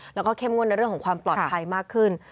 แล้วก็เข้มงวดในเรื่องของความปลอดภัยมากขึ้น